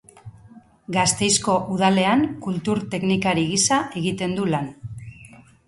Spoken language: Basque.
Gasteizko Udalean kultur-teknikari gisa egiten du lan.